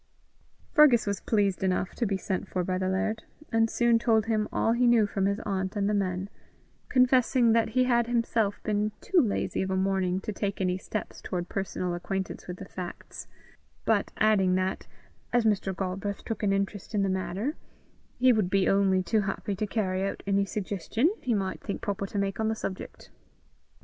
Fergus was pleased enough to be sent for by the laird, and soon told him all he knew from his aunt and the men, confessing that he had himself been too lazy of a morning to take any steps towards personal acquaintance with the facts, but adding that, as Mr. Galbraith took an interest in the matter, he would be only too happy to carry out any suggestion he might think proper to make on the subject.